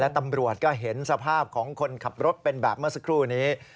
ตำรวจก็เห็นสภาพของคนขับรถเป็นแบบเมื่อสักครู่นี้